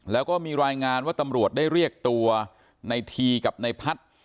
แล้วก็มีรายงานว่าตำรวจได้เรียกตัวในทีกับในพัฒน์